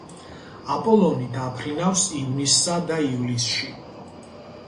აპოლონი დაფრინავს ივნისსა და ივლისში.